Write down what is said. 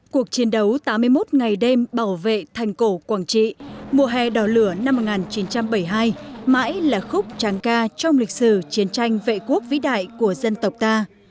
cuộc chiến đấu tám mươi một ngày đêm bảo vệ thành cổ quảng trị mùa hè đỏ lửa năm một nghìn chín trăm bảy mươi hai mãi là khúc tráng ca trong lịch sử chiến tranh vệ quốc vĩ đại của dân tộc ta